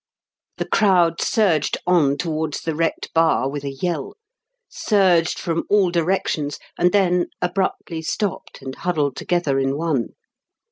The crowd surged on towards the wrecked bar with a yell, surged from all directions, and then abruptly stopped and huddled together in one.